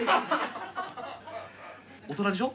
大人でしょ？